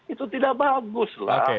itu tidak bagus